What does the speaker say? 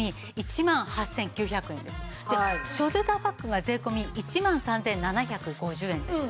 ショルダーバッグが税込１万３７５０円です。